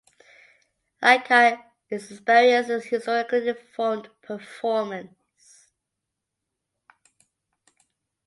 Lika is experienced in historically informed performance.